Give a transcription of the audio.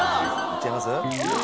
いっちゃいます？